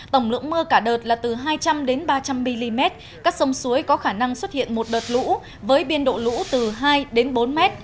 tổng lượng mưa cả đợt là từ hai trăm linh đến ba trăm linh mm các sông suối có khả năng xuất hiện một đợt lũ với biên độ lũ từ hai đến bốn m